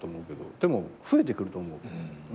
でも増えてくると思う。